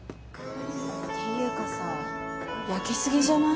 ていうかさ焼けすぎじゃない？